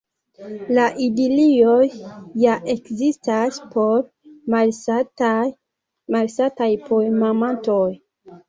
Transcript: La idilioj ja ekzistas por malsataj poemamantoj.